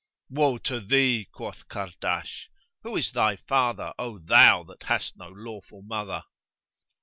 "Woe to thee!" quoth Kahrdash, "who is thy father, O thou that hast no lawful mother?"